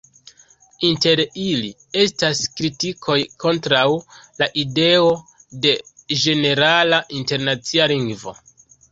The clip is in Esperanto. Inter ili, estas kritikoj kontraŭ la ideo de ĝenerala internacia lingvo.